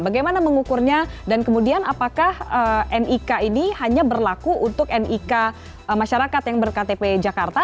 bagaimana mengukurnya dan kemudian apakah nik ini hanya berlaku untuk nik masyarakat yang berktp jakarta